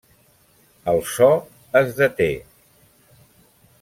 El so es deté.